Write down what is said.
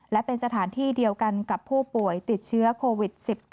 และเป็นสถานที่เดียวกันกับผู้ป่วยติดเชื้อโควิด๑๙